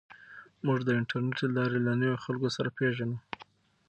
موږ د انټرنیټ له لارې له نویو خلکو سره پېژنو.